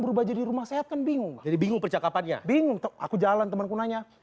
berubah jadi rumah sehat kan bingung jadi bingung percakapannya bingung aku jalan temenku nanya